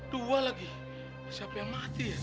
dua lagi siapa yang mati ya